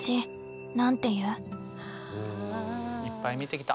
いっぱい見てきた。